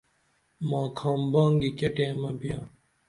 ماکھام بانگی کیہ ٹیمہ بیاں؟